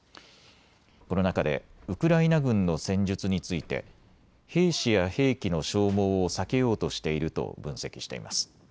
この中でウクライナ軍の戦術について兵士や兵器の消耗を避けようとしていると分析しています。